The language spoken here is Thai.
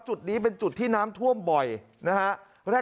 จุดนี้เป็นจุดที่น้ำท่วมบ่อยนะฮะ